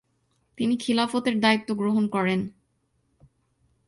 তিনি খিলাফতের দায়িত্ব গ্রহণ করেন।